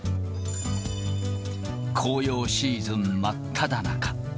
紅葉シーズン真っただ中。